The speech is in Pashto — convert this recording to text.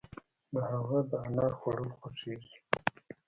د هغه د انار خوړل خوښيږي.